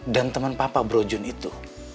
dan teman papa bro jun itu